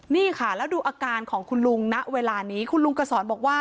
นี่ค่ะแล้วดูอาการของคุณลุงณเวลานี้คุณลุงกระสอนบอกว่า